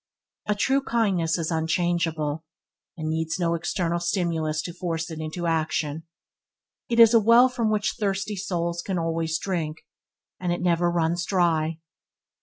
A true kindness is unchangeable, and needs no external stimulus to force it into action. It is a well from which thirsty souls can always drink, and it never runs dry.